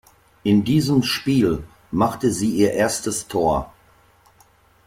In diesem Spiel machte sie ihr erstes Tor.